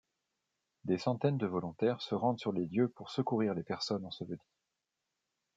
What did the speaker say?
Des centaines de volontaires se rendent sur les lieux pour secourir les personnes ensevelies.